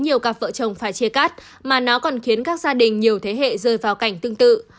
nhiều cặp vợ chồng phải chia cắt mà nó còn khiến các gia đình nhiều thế hệ rơi vào cảnh tương tự